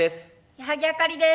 矢作あかりです。